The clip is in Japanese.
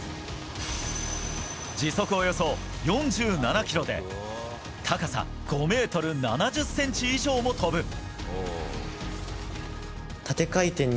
時速およそ４７キロで高さ５ｍ７０ｃｍ以上もとぶ。